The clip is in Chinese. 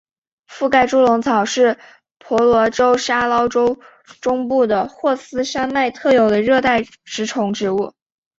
附盖猪笼草是婆罗洲沙捞越中部的霍斯山脉特有的热带食虫植物。